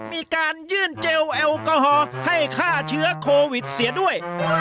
มีการยื่นเจลแอลกอฮอล์ให้ฆ่าเชื้อโควิดเสียด้วย